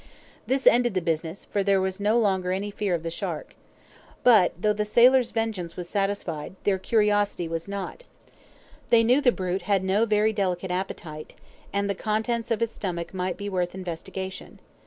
This ended the business, for there was no longer any fear of the shark. But, though the sailors' vengeance was satisfied, their curiosity was not; they knew the brute had no very delicate appetite, and the contents of his stomach might be worth investigation.